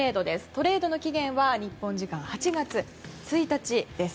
トレードの期限は日本時間８月１日です。